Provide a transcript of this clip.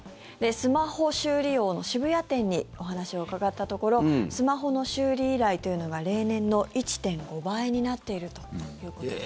スマホ修理王の渋谷店にお話を伺ったところスマホの修理依頼というのが例年の１．５倍になっているということです。